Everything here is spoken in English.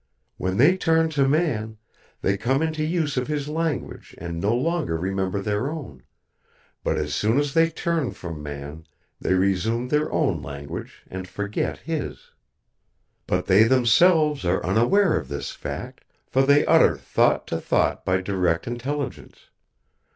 "'_When they turn to man, they come into use of his language and no longer remember their own, but as soon as they turn from man they resume their own language, and forget his._' "But they themselves are unaware of this fact, for they utter thought to thought by direct intelligence.